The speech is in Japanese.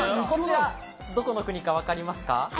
こちら、どこの国かわかりますか？